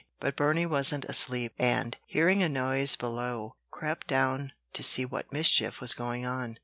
But Burney wasn't asleep, and, hearing a noise below, crept down to see what mischief was going on.